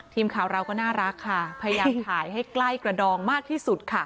ทีมข่าวเราก็น่ารักค่ะพยายามถ่ายให้ใกล้กระดองมากที่สุดค่ะ